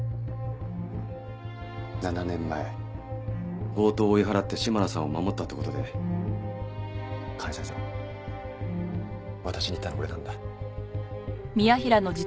７年前強盗を追い払って嶋野さんを守ったって事で感謝状渡しに行ったの俺なんだ。